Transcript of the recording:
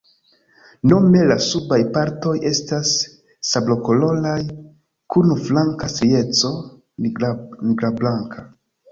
Nome la subaj partoj estas sablokoloraj kun flanka strieco nigrablanka.